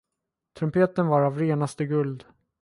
Trumpeten var av renaste guld.